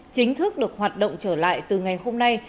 chính thức được hoạt động trở lại từ ngày hôm nay